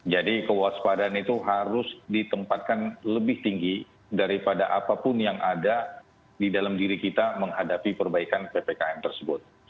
jadi kewaspadaan itu harus ditempatkan lebih tinggi daripada apapun yang ada di dalam diri kita menghadapi perbaikan ppkm tersebut